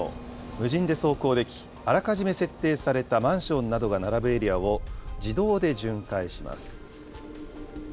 無人で走行でき、あらかじめ設定されたマンションなどが並ぶエリアを自動で巡回します。